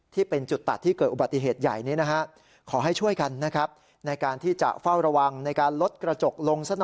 ที่เป็นจุดตัดที่เกิดอุบัติเหตุใหญ่นี้นะครับ